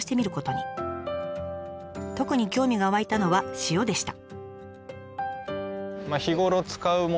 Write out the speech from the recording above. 特に興味が湧いたのは塩でした。